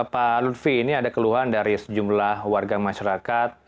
pak lutfi ini ada keluhan dari sejumlah warga masyarakat